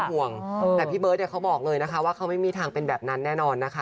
ห่วงแต่พี่เบิร์ตเขาบอกเลยนะคะว่าเขาไม่มีทางเป็นแบบนั้นแน่นอนนะคะ